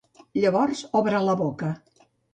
Llavors obre la boca.